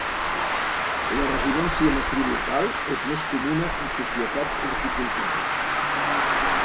La residència matrilocal és més comuna en societats horticultores.